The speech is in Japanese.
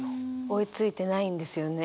追いついてないんですよね